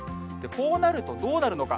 こうなると、どうなるのか。